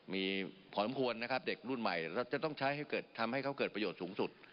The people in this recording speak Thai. มีผลควรนะครับเด็กรุ่นใหม่เราจะต้องใช้ให้เขาเกิดประโยชน์สูงสุด